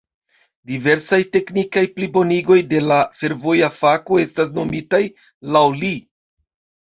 Diversaj teknikaj plibonigoj de la fervoja fako estas nomitaj laŭ li.